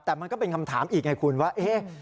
แต่มันก็เป็นคำถามอีกไงคุณว่า